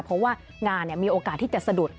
เพราะว่างานมีโอกาสที่จะสะดุด